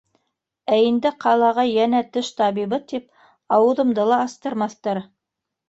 Ә инде ҡалаға йәнә теш табибы тип ауыҙымды ла астырмаҫтар.